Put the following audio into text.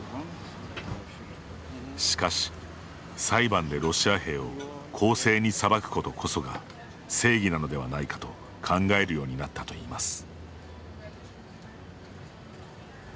しかし、裁判でロシア兵を公正に裁くことこそが正義なのではないかと考えるようになったといいます。